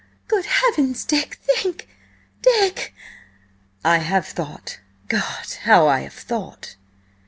"Good heavens! Dick, Dick, think!" "I have thought. God! how I have thought!"